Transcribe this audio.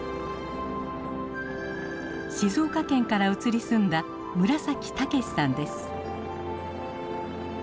静岡県から移り住んだ村崎剛さんです。